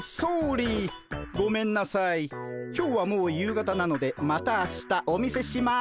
今日はもう夕方なのでまた明日お見せします。